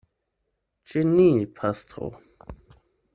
Ĉe ni, pastro.